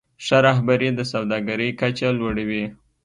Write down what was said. ښه رهبري د سوداګرۍ کچه لوړوي.